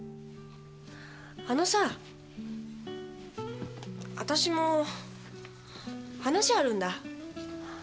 あのさわたしも話あるんだ。